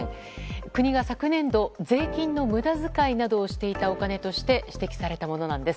国が昨年度、税金の無駄遣いなどをしていたお金として指摘されたものなんです。